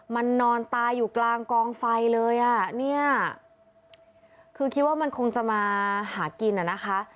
มันนอนตายอยู่กลางกองไฟเลยอ่ะเนี่ยคือคิดว่ามันคงจะมาหากินอ่ะนะคะ